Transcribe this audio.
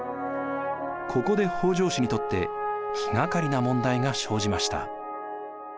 ここで北条氏にとって気がかりな問題が生じました。